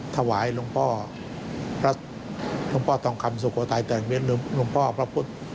ถวายหลวงพ่อพระหลวงพ่อทองคำสุโขทัยแต่งเว้นหลวงพ่อพระพุทธ